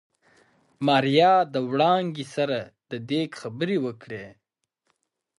ماريا د وړانګې سره د ديګ خبرې وکړې.